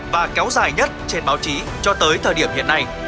và kéo dài nhất trên báo chí cho tới thời điểm hiện nay